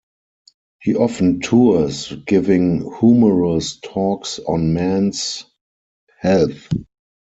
He often tours giving humorous talks on men's health.